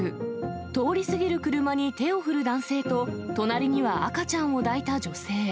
通り過ぎる車に手を振る男性と、隣には赤ちゃんを抱いた女性。